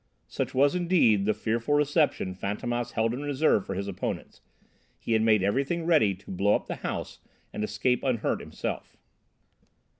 Such was, indeed, the fearful reception Fantômas held in reserve for his opponents. He had made everything ready to blow up the house and escape unhurt himself.